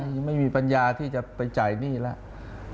ยังไม่มีปัญญาที่จะไปจ่ายหนี้แล้ว